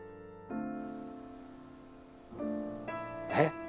えっ？